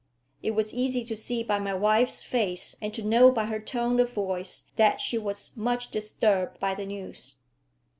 It was easy to see by my wife's face, and to know by her tone of voice, that she was much disturbed by the news.